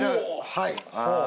はい。